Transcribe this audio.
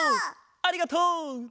ありがとう！